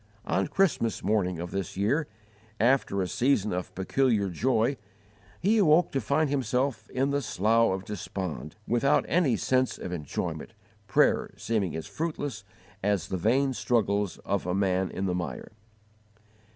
On Christmas morning of this year, after a season of peculiar joy, he awoke to find himself in the Slough of Despond, without any sense of enjoyment, prayer seeming as fruitless as the vain struggles of a man in the mire.